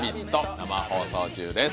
生放送中です